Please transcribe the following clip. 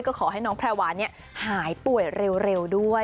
ก็ขอให้น้องแพรวาหายป่วยเร็วด้วย